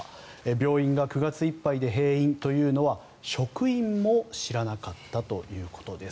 病院が９月いっぱいで閉院というのは職員も知らなかったということです。